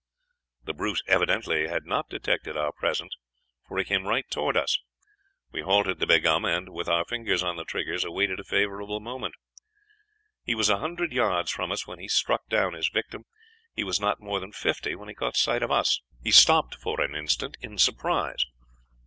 The brute evidently had not detected our presence, for he came right towards us. We halted the Begaum, and, with our fingers on the triggers, awaited the favorable moment. He was a hundred yards from us when he struck down his victim; he was not more than fifty when he caught sight of us. He stopped for an instant in surprise.